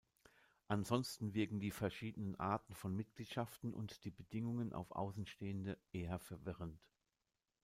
Ansonsten wirken die verschiedenen Arten von Mitgliedschaften und die Bedingungen auf Außenstehende eher verwirrend.